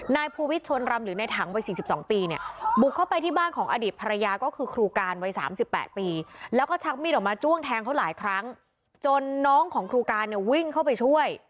นายภูวิทยชนรำหรือในถังวัย๔๒ปีเนี่ยบุกเข้าไปที่บ้านของอดีตภรรยาก็คือครูการวัย๓๘ปีแล้วก็ชักมีดออกมาจ้วงแทงเขาหลายครั้งจนน้องของครูการเนี่ยวิ่งเข้าไปช่วย